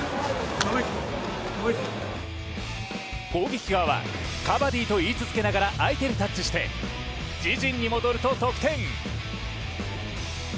攻撃側はカバディと言い続けながら相手にタッチして自陣に戻ると得点。